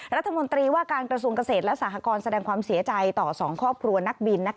รัฐมนตรีว่าการกระทรวงเกษตรและสหกรแสดงความเสียใจต่อ๒ครอบครัวนักบิน